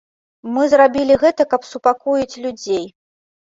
Мы зрабілі гэта, каб супакоіць людзей.